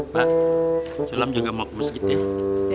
pak sulam jaga makmus gitu ya